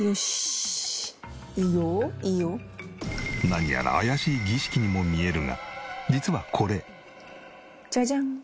何やら怪しい儀式にも見えるが実はこれ。